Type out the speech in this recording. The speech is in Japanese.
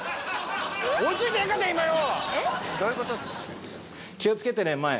追い付いてへんかった今よ！